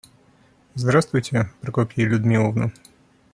Здравствуйте, Прокопья Людмиловна.